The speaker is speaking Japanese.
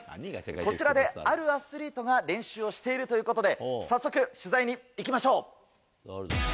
こちらであるアスリートが練習をしているということで、早速、取材に行きましょう。